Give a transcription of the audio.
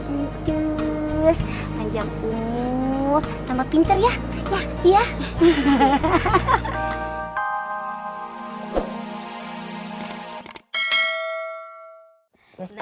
anjak ungu tambah pinter ya